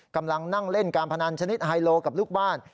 กำลังนั่งเล่นการพนันชนิดไฮโลกับลูกบ้าน